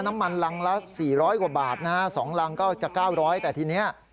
น้ำมันรังละ๔๐๐กว่าบาทนะฮะ๒รังก็จะ๙๐๐แต่ทีนี้